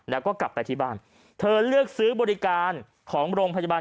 แล้วก็กลับไปที่บ้านเธอเลือกซื้อบริการของโรงพยาบาล